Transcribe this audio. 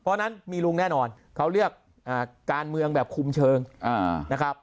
เพราะฉะนั้นมีลุงแน่นอนเขาเลือกการเมืองแบบคุมเชิงนะครับ